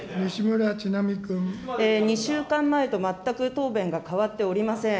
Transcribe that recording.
２週間前と全く答弁が変わっておりません。